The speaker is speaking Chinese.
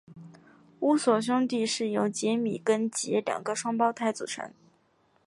乌索兄弟是由吉米跟杰两个双胞胎组成。